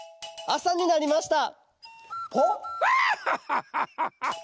あさになりました。